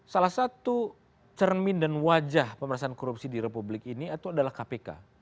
salah satu cermin dan wajah pemerintahan korupsi di republik ini itu adalah kpk